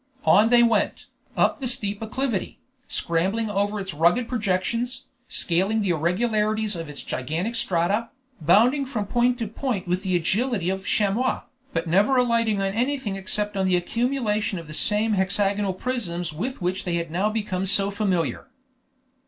On they went, up the steep acclivity, scrambling over its rugged projections, scaling the irregularities of its gigantic strata, bounding from point to point with the agility of chamois, but never alighting on anything except on the accumulation of the same hexagonal prisms with which they had now become so familiar.